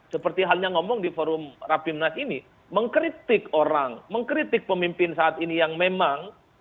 seperti halnya ngomong di forum rapimnas ini mengkritik orang mengkritik pemimpin saat ini yang memang